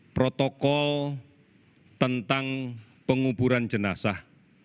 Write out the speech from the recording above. protokol tentang penguburan jenazah